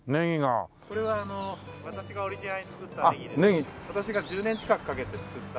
これは私がオリジナルで作ったネギで私が１０年近くかけて作った。